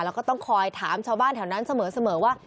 แล้วก็ต้องคอยถามชาวบ้านแถวนั้นเสมอว่า